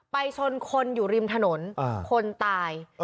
ชนคนอยู่ริมถนนคนตาย